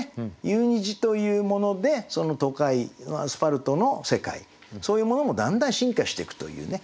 「夕虹」というものでその都会のアスファルトの世界そういうものもだんだん進化していくというね。